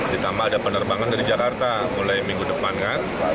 ditambah ada penerbangan dari jakarta mulai minggu depan kan